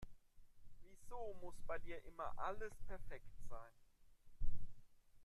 Wieso muss bei dir immer alles perfekt sein?